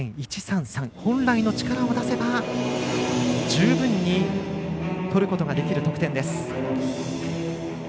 本来の力を出せば十分にとることができる得点です。